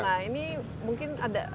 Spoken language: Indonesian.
nah ini mungkin ada